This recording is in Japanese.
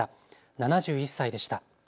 ７１歳でした。